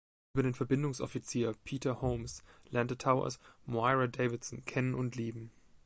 Über den Verbindungsoffizier Peter Holmes lernt Towers Moira Davidson kennen und lieben.